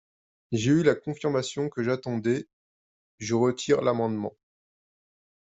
J’ai eu la confirmation que j’attendais, je retire l’amendement.